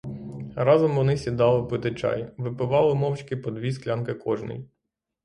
Разом вони сідали пити чай; випивали мовчки по дві склянки кожний.